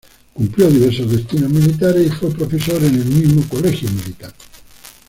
Cumplió diversos destinos militares, y fue profesor en el mismo Colegio Militar.